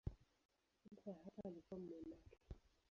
Kabla ya hapo alikuwa mmonaki.